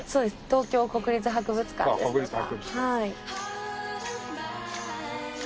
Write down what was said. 東京国立博物館ですとか。